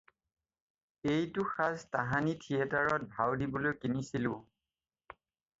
এইটো সাজ তাহানি থিয়েটাৰত ভাও দিবলৈ কিনিছিলোঁ।